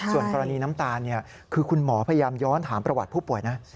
ส่วนกรณีน้ำตาลคือคุณหมอพยายามย้อนถามประวัติผู้ป่วยนะ